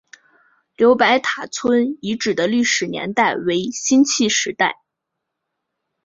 刘白塔村遗址的历史年代为新石器时代。